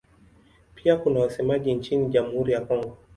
Pia kuna wasemaji nchini Jamhuri ya Kongo.